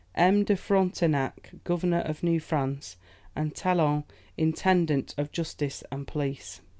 M. de Frontenac, Governor of New France, and Talon, intendant of justice and police.